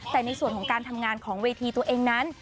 แต่ในส่วนของการทำงานของเวทีตัวเองนั้น